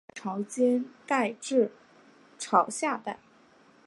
常栖息在潮间带至潮下带。